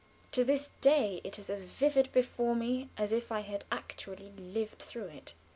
To this day it is as vivid before me, as if I had actually lived through it.